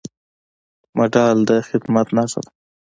مډال د خدمت نښه ده